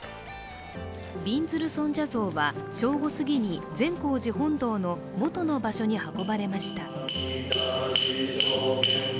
びんずる尊者像は、正午すぎに善光寺本堂の元の場所に運ばれました。